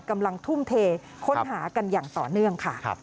กำลังทุ่มเทค้นหากันอย่างต่อเนื่องค่ะ